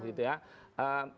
ya itu yang diaris